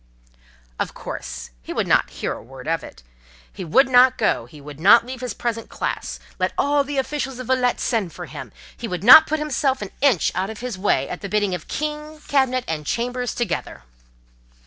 Of course, he would not hear a word of it. "He would not go; he would not leave his present class, let all the officials of Villette send for him. He would not put himself an inch out of his way at the bidding of king, cabinet, and chambers together."